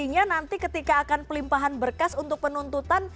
artinya nanti ketika akan pelimpahan berkas untuk penuntutan